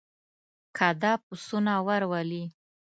که دا پسونه ور ولې.